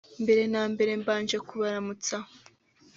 mbere na mbere mbaje kubaramutsa